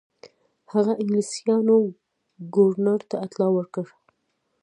هغه انګلیسیانو ګورنر ته اطلاع ورکړه.